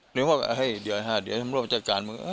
หรือว่าเฮ้ยเดี๋ยวธรรมโลกมาจัดการมึง